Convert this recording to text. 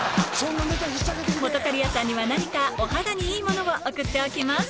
本仮屋さんには何かお肌にいいものを送っておきます